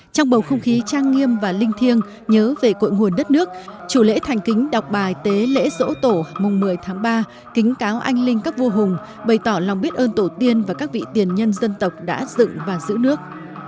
trong bầu không khí trang nghiêm và linh thiêng nhớ về cội nguồn đất nước chủ lễ thành kính đọc bài tế lễ dỗ tổ mùng một mươi tháng ba kính cáo anh linh các vua hùng bày tỏ lòng biết ơn tổ tiên và các vị tiền nhân dân tộc đã dựng và giữ nước